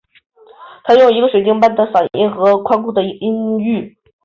她拥有一个水晶般的嗓音和宽阔的音域。